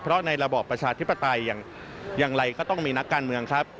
เพราะในระบอบประชาธิปไตยอย่างไรก็ต้องมีนักการเมืองครับ